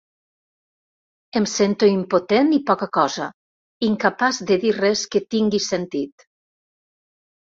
Em sento impotent i poca cosa, incapaç de dir res que tingui sentit.